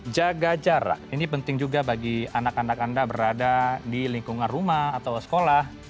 jaga jarak ini penting juga bagi anak anak anda berada di lingkungan rumah atau sekolah